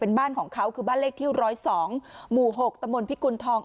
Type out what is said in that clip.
เป็นบ้านของเขาคือบ้านเลขที่๑๐๒หมู่๖ตมพิกุณฑอง